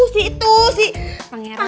si itu si pangeran